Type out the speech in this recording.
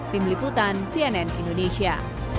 tim liputan cnn indonesia